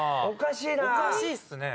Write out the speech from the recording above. おかしいな。